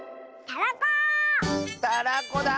たらこだ！